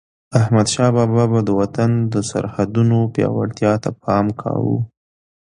احمدشاه بابا به د وطن د سرحدونو پیاوړتیا ته پام کاوه.